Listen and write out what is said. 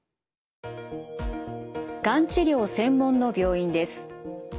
がん治療専門の病院です。